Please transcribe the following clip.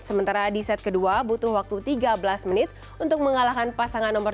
sementara di set kedua butuh waktu tiga belas menit untuk mengalahkan pasangan nomor dua